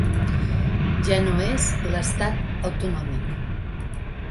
Ja no és l’estat autonòmic.